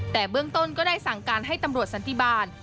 แต่เบื้องต้นก็ได้สั่งการให้ตำรวจสันติบาล